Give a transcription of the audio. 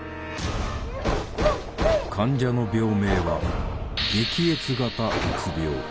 患者の病名は「激越型うつ病」。